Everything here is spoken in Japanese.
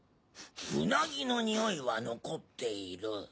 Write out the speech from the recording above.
ウナギのにおいは残っている。